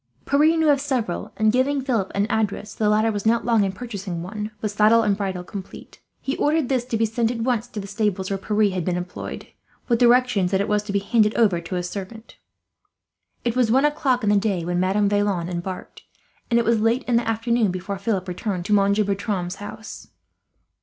Pierre knew of several and, giving Philip an address, the latter was not long in purchasing one, with saddle and bridle complete. He ordered this to be sent, at once, to the stables where Pierre had been employed, with directions that it was to be handed over to his servant. It was one o'clock in the day when Madame Vaillant embarked, and it was late in the afternoon before Philip returned to Monsieur Bertram's house.